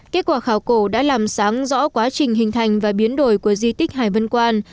kết quả khảo cổ đã làm sáng rõ quá trình hình thành và biến đổi của di tích hải vân quan